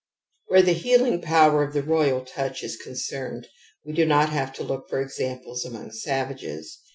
Where the healing power of the royal touch is concerned we do not have to look for examples among savages.